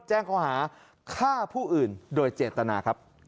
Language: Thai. แจ้งข้อหาฆ่าผู้อื่นโดยเจตนาครับ